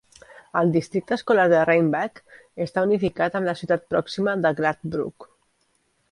El districte escolar de Reinbeck està unificat amb la ciutat pròxima de Gladbrook.